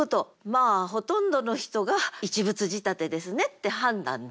まあほとんどの人が一物仕立てですねって判断できる。